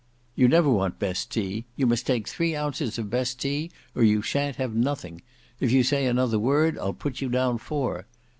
"You never want best tea; you must take three ounces of best tea, or you shan't have nothing. If you say another word, I'll put you down four.